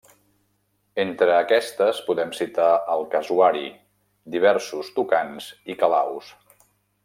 Entre aquestes, podem citar el Casuari, diversos tucans i calaus.